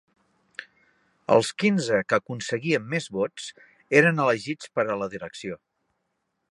Els quinze que aconseguien més vots eren elegits per a la direcció.